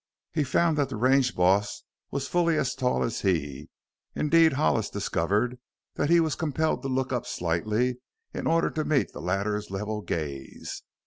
He found that the range boss was fully as tall as he; indeed, Hollis discovered that he was compelled to look up slightly in order to meet the latter's level gaze.